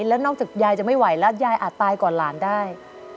แล้วนอกจากยายจะไม่ไหวแล้วยายอาจตายก่อนหลานได้